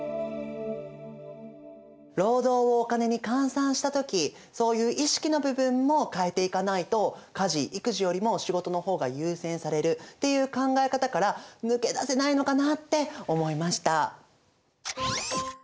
労働をお金に換算した時そういう意識の部分も変えていかないと家事・育児よりも仕事の方が優先されるっていう考え方から抜け出せないのかなって思いました。